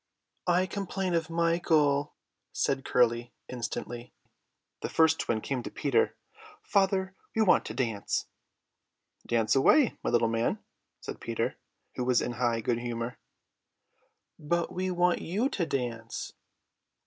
"I complain of Michael," said Curly instantly. The first twin came to Peter. "Father, we want to dance." "Dance away, my little man," said Peter, who was in high good humour. "But we want you to dance."